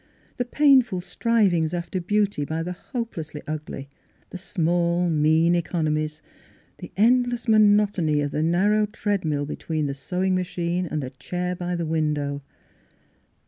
The painful strivings after beauty by the hopelessly ugly ; the small mean economies ; the end less monotony of the narrow treadmill be tween the sewing machine and the chair by the window.